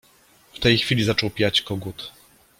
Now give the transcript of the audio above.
W tej chwili zaczął piać kogut.